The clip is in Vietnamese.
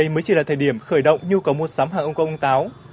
mới chỉ là thời điểm khởi động nhu cầu mua sắm hàng ông công ông táo